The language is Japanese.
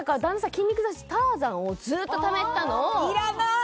筋肉雑誌「Ｔａｒｚａｎ」をずっとためてたのをいらない！